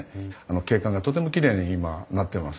景観がとてもきれいに今なってます。